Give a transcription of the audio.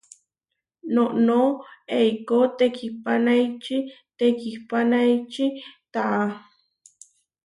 Noʼnó eikó tekihpanaeči tekihpanaeči taʼa.